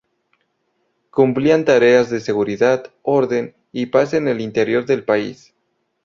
Cumplían tareas de seguridad, orden y paz en el interior del país.